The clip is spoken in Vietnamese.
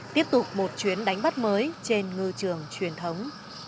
tiếp tục một chuyến đánh bắt mới trên ngư trường truyền thống